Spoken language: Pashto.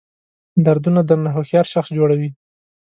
دردونه درنه هوښیار شخص جوړوي.